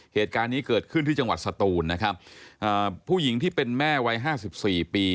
เหตุการณ์นี้เกิดขึ้นที่จังหวัดสตูนนะครับอ่าผู้หญิงที่เป็นแม่วัยห้าสิบสี่ปี